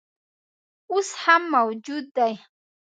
اوس هم موجود دی.